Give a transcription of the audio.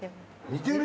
似てる。